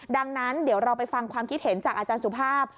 ดังนั้นเดี๋ยวเราไปฟังความคิดเห็นจากอาจารย์สุภาพ